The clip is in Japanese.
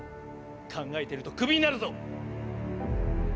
考えてるとクビになるぞ！